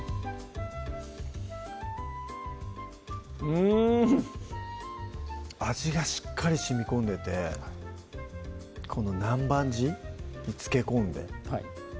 うん味がしっかりしみこんでてこの南蛮地に漬け込んではい